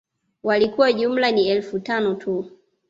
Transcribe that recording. Walikuwa jumla ni Elfu tano tu